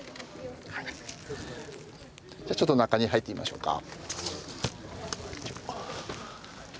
ちょっと中に入ってみましょうか。